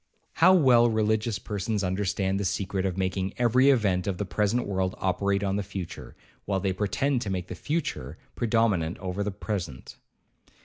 How well religious persons understand the secret of making every event of the present world operate on the future, while they pretend to make the future predominate over the present.